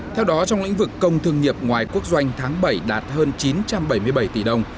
theo đó trong lĩnh vực công thương nghiệp ngoài quốc doanh tháng bảy đạt hơn chín trăm bảy mươi bảy tỷ đồng